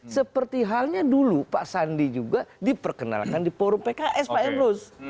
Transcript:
seperti halnya dulu pak sandi juga diperkenalkan di forum pks pak emrus